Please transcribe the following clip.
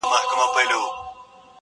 د لوی ځنګله پر څنډه٫